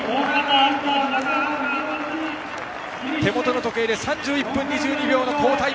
手元の時計で３１分２２秒の好タイム。